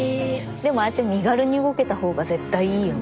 でもああやって身軽に動けたほうが絶対いいよね。